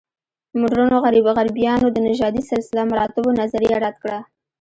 مډرنو غربیانو د نژادي سلسله مراتبو نظریه رد کړه.